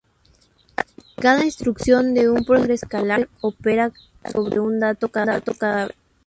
Cada instrucción de un procesador escalar opera sobre un dato cada vez.